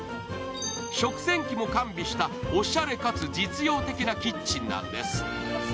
食洗機も完備したおしゃれかつ実用的なキッチンなんです。